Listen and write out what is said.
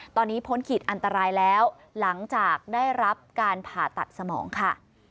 ตอนนี้พ้นขีดอันตรายแล้วหลังจากได้รับการผ่าตัดสมองค่ะ